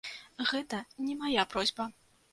Гэта не мая просьба.